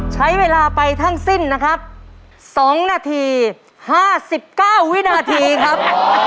ใช้เวลาไปทั้งสิ้นนะครับ๒นาที๕๙วินาทีครับ